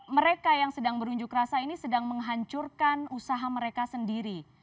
mereka yang sedang berunjuk rasa ini sedang menghancurkan usaha mereka sendiri